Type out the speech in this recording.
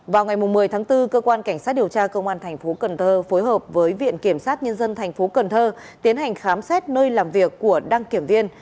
vào ngày một mươi tháng bốn cơ quan cảnh sát điều tra công an tp hcm phối hợp với viện kiểm sát nhân dân tp hcm tiến hành khám xét nơi làm việc của đăng kiểm viên